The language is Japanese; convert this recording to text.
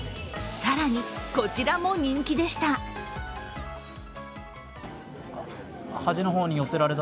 更にこちらも人気でした。